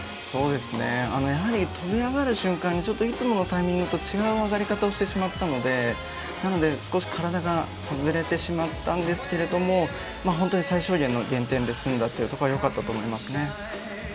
そうですねやはり跳び上がる瞬間にいつもタイミングと違う上がり方をしてしまったので少し体が崩れてしまったんですけれども最小限の減点ですんだところがよかったと思いますね。